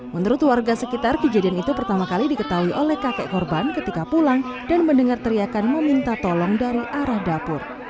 menurut warga sekitar kejadian itu pertama kali diketahui oleh kakek korban ketika pulang dan mendengar teriakan meminta tolong dari arah dapur